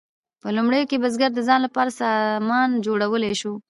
په لومړیو کې بزګر د ځان لپاره سامان جوړولی شو.